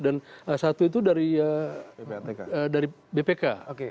dan satu itu dari bpk